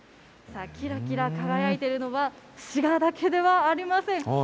さあ、きらきら輝いているのは、シガだけではありません。